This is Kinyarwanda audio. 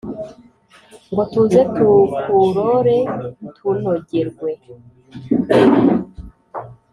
ngo tuze tukurore tunogerwe